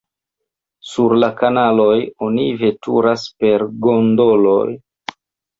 Sur la kanaloj oni veturas per gondoloj.